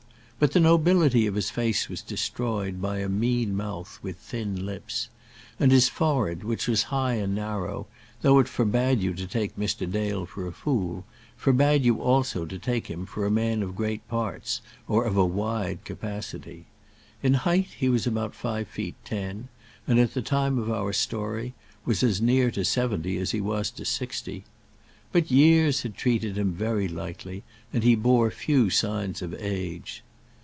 But the nobility of his face was destroyed by a mean mouth with thin lips; and his forehead, which was high and narrow, though it forbad you to take Mr. Dale for a fool, forbad you also to take him for a man of great parts, or of a wide capacity. In height, he was about five feet ten; and at the time of our story was as near to seventy as he was to sixty. But years had treated him very lightly, and he bore few signs of age.